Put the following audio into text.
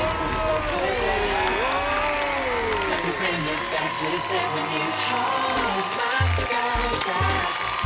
พร้อมครับไปตัดคุณหนึ่งออกเลยครับ